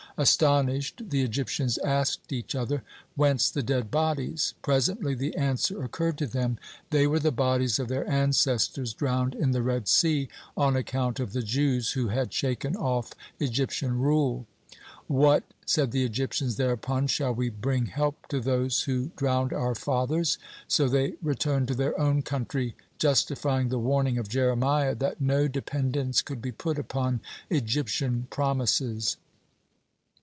Astonished, the Egyptians asked each other, whence the dead bodies. Presently the answer occurred to them: they were the bodies of their ancestors drowned in the Red Sea on account of the Jews, who had shaken off Egyptian rule. "What," said the Egyptians thereupon, "shall we bring help to those who drowned our fathers?" So they returned to their own country, justifying the warning of Jeremiah, that no dependence could be put upon Egyptian promises.